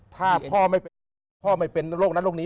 ถ้าพ่อไม่เป็นโรคนั้นโรคนี้